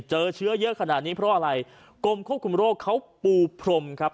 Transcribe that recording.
เจอเชื้อเยอะขนาดนี้เพราะอะไรกรมควบคุมโรคเขาปูพรมครับ